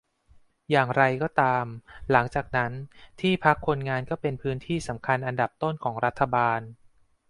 อย่างไรก็ตามหลังจากนั้น ที่พักคนงานก็เป็นพื้นที่สำคัญอันดับต้นของรัฐบาล